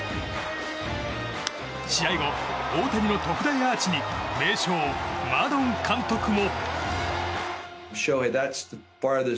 試合後、大谷の特大アーチに名将マドン監督も。